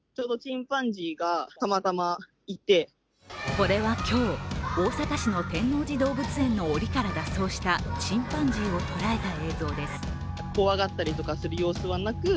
これは今日、大阪市の天王寺動物園のおりから脱走したチンパンジーをとらえた映像です。